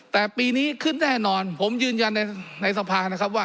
แต่ปีนี้ขึ้นแน่นอนผมยืนยันในสภานะครับว่า